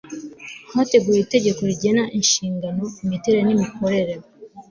hateguwe itegeko rigena inshingano, imiterere n'imikorere